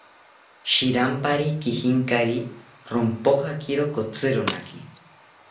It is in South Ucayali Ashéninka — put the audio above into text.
Shirampari kijinkari, rompojakiro kotzironaki